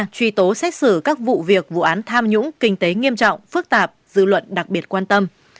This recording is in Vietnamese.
truy tố xét xử các vụ việc vụ án tham nhũng kinh tế nghiêm trọng phức tạp dư luận đặc biệt quan tâm